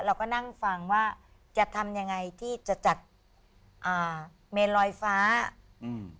เราก็นั่งฟังว่าจะทำยังไงที่จะจัดอ่าเมนลอยฟ้าอืม